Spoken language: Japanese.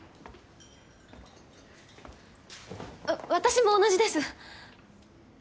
わ私も同じです。